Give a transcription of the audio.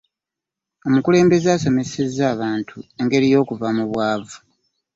Omukulembeze asomeseza abantu engeri y'okuva mu bwavu.